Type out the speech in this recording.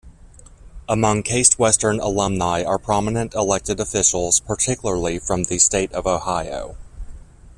Among Case Western alumni are prominent elected officials, particularly from the State of Ohio.